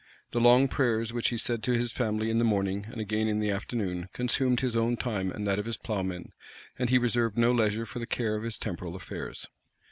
The long prayers which he said to his family in the morning, and again in the afternoon, consumed his own time and that of his ploughmen; and he reserved no leisure for the care of his temporal affairs.